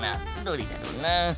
どれだろうな？